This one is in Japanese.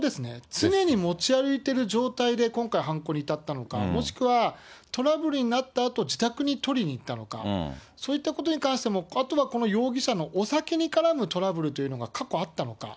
常に持ち歩いている状態で今回、犯行に至ったのか、もしくは、トラブルになったあと自宅に取りに行ったのか、そういったことに関しても、あとはこの容疑者のお酒に絡むトラブルというのが過去あったのか。